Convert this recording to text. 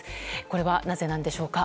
これはなぜなんでしょうか。